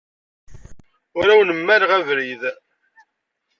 Ur awent-mmaleɣ abrid.